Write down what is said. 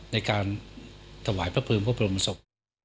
ในการถวายพระเพลิงพระบรมศพ